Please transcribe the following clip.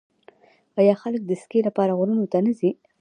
آیا خلک د اسکی لپاره غرونو ته نه ځي؟